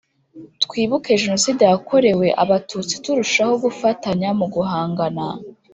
Twibuke Jenoside yakorewe Abatutsi turushaho gufatanya mu guhangana